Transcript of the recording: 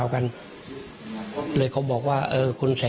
ก็เลยขับรถไปมอบตัว